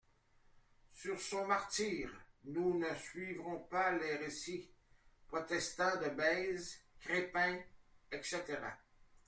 Sur son martyre, nous ne suivrons pas les récits protestants de Bèze, Crespin, etc.